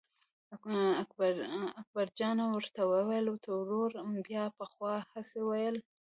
اکبرجان ورته وویل ترور بیا پخوا هسې ویل.